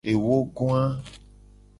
Ewogoa.